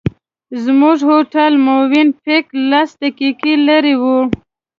زموږ هوټل مووېن پېک لس دقیقې لرې و.